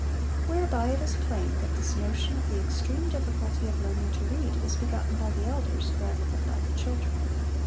Whereby it is plain, that this notion of the extreme difficulty of learning to read is begotten by the elders rather than by the children.